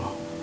hmm gitu ya